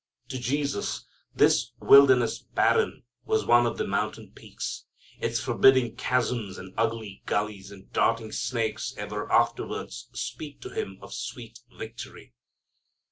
To Jesus this wilderness barren was one of the mountain peaks. Its forbidding chasms and ugly gullies and darting snakes ever afterwards speak to Him of sweet victory.